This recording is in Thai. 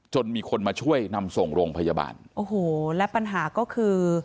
มีคนมาช่วยนำส่งโรงพยาบาลโอ้โหและปัญหาก็คือ